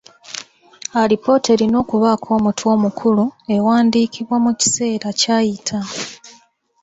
Alipoota erina okubaako omutwe omukulu, ewandiikibwa mu kiseera kyayita.